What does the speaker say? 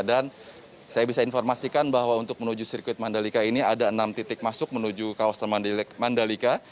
dan saya bisa informasikan bahwa untuk menuju sirkuit mandalika ini ada enam titik masuk menuju kawasan mandalika